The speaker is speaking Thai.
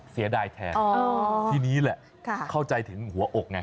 เสียดายแทนทีนี้แหละเข้าใจถึงหัวอกไง